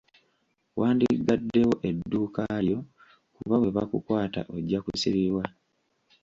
Wandigaddewo edduuka lyo kuba bwe bakukwata ojja kusibibwa.